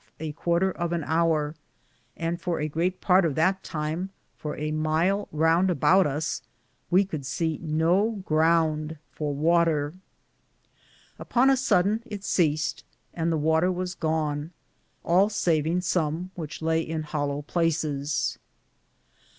The shower lasted not a bove halfe a quarter of an hour, and for a great parte of that time for a myle round aboute us we could se no ground for water. Upon a sodon it seaste, •and the water was gone, all savinge som which laye in hollow placis.